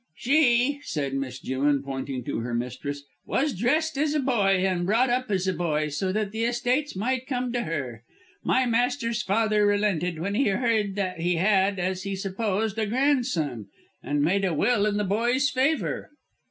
"She," said Miss Jewin, pointing to her mistress, "was dressed as a boy and brought up as a boy, so that the estates might come to her. My master's father relented when he heard that he had, as he supposed, a grandson, and made a will in the boy's favour."